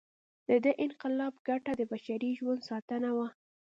د دې انقلاب ګټه د بشري ژوند ساتنه وه.